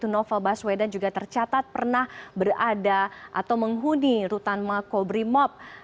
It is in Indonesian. noval baswedan juga tercatat pernah berada atau menghuni rutan mako brimob